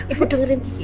ibu dengerin gigi